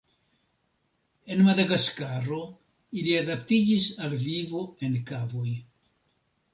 En Madagaskaro ili adaptiĝis al vivo en kavoj.